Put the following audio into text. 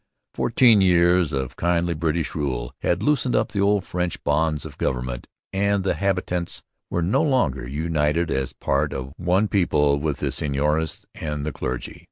Fourteen years of kindly British rule had loosened the old French bonds of government and the habitants were no longer united as part of one people with the seigneurs and the clergy.